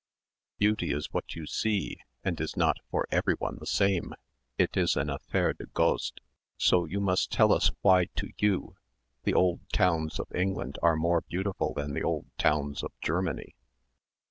Beauty is what you see and is not for everyone the same. It is an affaire de goût. So you must tell us why to you the old towns of England are more beautiful than the old towns of Germany.